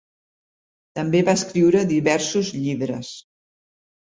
També va escriure diversos llibres.